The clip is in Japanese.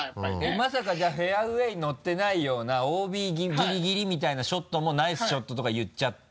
まさかじゃあフェアウエーに乗ってないようなＯＢギリギリみたいなショットも「ナイスショット」とか言っちゃって。